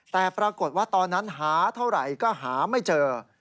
แต่ปรากฏว่าตอนนั้นหาเท่าไหร่ก็หาไม่เจอ